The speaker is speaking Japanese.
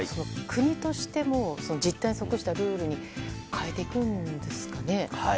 国としても実態に即したルールに変えていくんですかね。